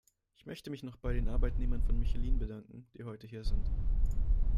Ich möchte mich noch bei den Arbeitnehmern von Michelin bedanken, die heute hier sind.